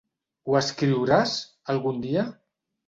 ¿Ho escriuràs, algun dia?